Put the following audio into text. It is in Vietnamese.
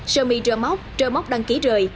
sơ mi rơ móc rơ móc đăng ký rời